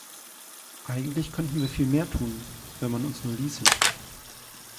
Eigentlich könnten wir viel mehr tun, wenn man uns nur ließe.